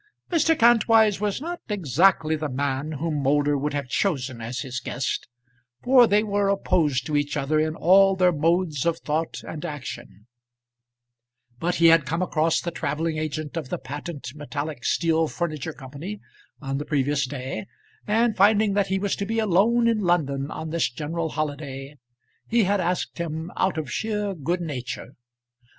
Mr. Kantwise was not exactly the man whom Moulder would have chosen as his guest, for they were opposed to each other in all their modes of thought and action; but he had come across the travelling agent of the Patent Metallic Steel Furniture Company on the previous day, and finding that he was to be alone in London on this general holiday, he had asked him out of sheer good nature.